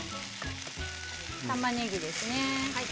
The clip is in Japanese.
たまねぎですね。